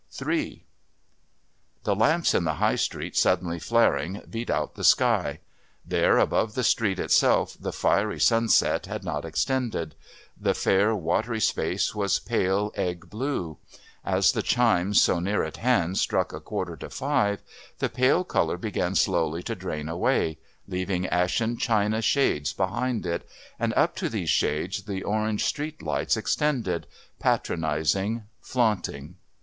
III The lamps in the High Street suddenly flaring beat out the sky. There above the street itself the fiery sunset had not extended; the fair watery space was pale egg blue; as the chimes so near at hand struck a quarter to five the pale colour began slowly to drain away, leaving ashen china shades behind it, and up to these shades the orange street lights extended, patronising, flaunting.